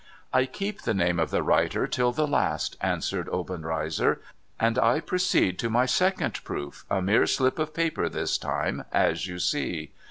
' I keep the name of the writer till the last,' answered Obenreizer, ' and I proceed to my second proof — a mere slip of paper this time, as you see.